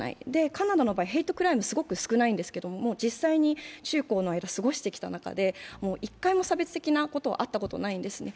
カナダの場合、ヘイトクライムはすごく少ないんですけれども、実際に中高の間、過ごしてきた中で１回も差別的なことに遭ったことがないんですね。